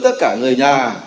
tất cả người nhà